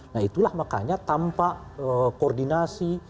nah itulah makanya tanpa koordinasi